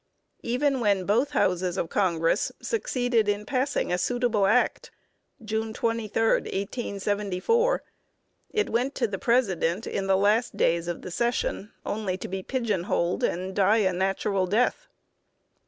Even when both houses of Congress succeeded in passing a suitable act (June 23, 1874) it went to the President in the last days of the session only to be pigeon holed, and die a natural death.